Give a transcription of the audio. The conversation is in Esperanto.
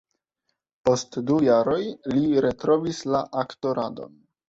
Post du jaroj, li retrovis la aktoradon.